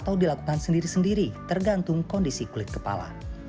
atau dilakukan sendiri sendiri tergantung kondisi kulit kepala